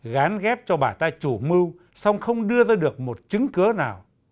gán ghép cho bà ta chủ mưu xong không đưa ra được một chứng cứ nào